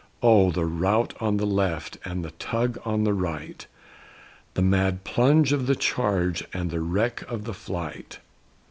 Oh, the rout on the left and the tug on the right! The mad plunge of the charge and the wreck of the flight!